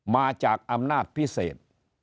มาจากอำนาจพิเศษ